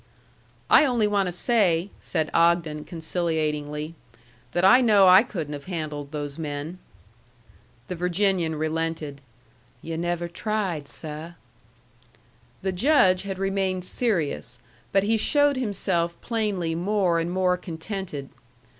"I only want to say," said Ogden, conciliatingly, "that I know I couldn't have handled those men." The Virginian relented. "Yu' never tried, seh." The Judge had remained serious; but he showed himself plainly more and more contented.